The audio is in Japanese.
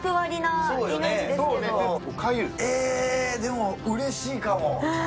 でも、うれしいかも。